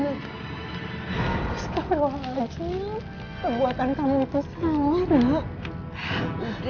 aku suka berwawancara kekuatan kamu itu sangat